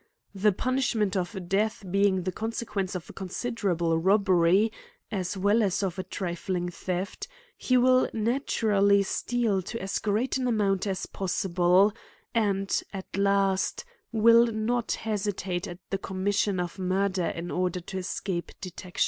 The punishment of death being the consequence of a considerable robbery, as well as of a trifling theft ; he will na turally steal to as great an amount as possible ; and, at last, will not hesitate at the commissiori of murder in order to escape detection.